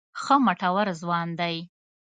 ښه مټور ځوان دی.